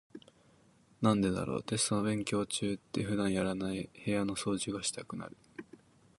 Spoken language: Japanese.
なんでだろう、テスト勉強中って普段やらない部屋の掃除がしたくなる。